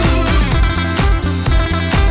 เฮ้ยเฮ้ยเฮ้ย